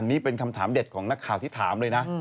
นี่เป็นคำถามเด็ดของนักข่าวที่ถามเลยนะ